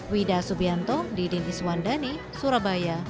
wida subianto didin iswandani surabaya